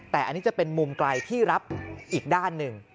แต่อันนี้จะเป็นมุมไกลที่รับอีกด้านหนึ่ง